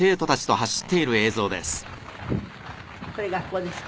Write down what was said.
これ学校ですか？